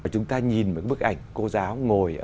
chúng ta nhìn bức ảnh cô giáo ngồi